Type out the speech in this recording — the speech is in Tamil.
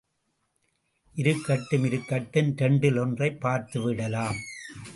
இருக்கட்டும்... இருக்கட்டும்... இரண்டில் ஒன்றை பார்த்துவிடலாம்.